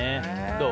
どう？